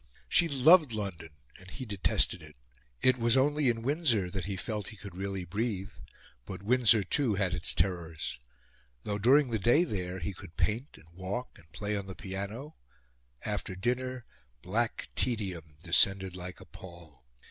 She loved London and he detested it. It was only in Windsor that he felt he could really breathe; but Windsor too had its terrors: though during the day there he could paint and walk and play on the piano, after dinner black tedium descended like a pall.